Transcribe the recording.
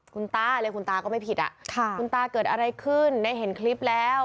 คุณตาเลยคุณตาก็ไม่ผิดอ่ะค่ะคุณตาเกิดอะไรขึ้นได้เห็นคลิปแล้ว